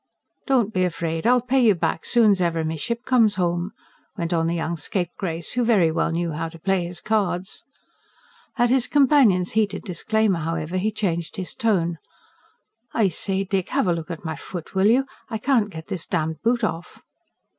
"Don't be afraid, I'll pay you back soon's ever me ship comes home," went on the young scapegrace, who very well knew how to play his cards. At his companion's heated disclaimer, however, he changed his tone. "I say, Dick, have a look at my foot, will you? I can't get this damned boot off."